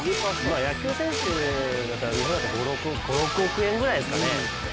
野球選手だったら日本だと５６億円ぐらいですかね。